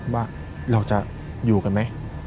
ว่าเราจะอยู่กันไหม